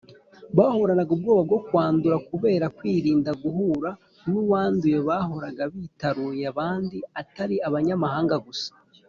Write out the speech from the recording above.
. Bahoranaga ubwoba bwo kwandura. Kubera kwirinda guhura “n’uwanduye”, bahoraga bitaruye abandi, atari abanyamahanga gusa